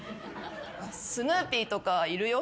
スヌーピーとかいるよ。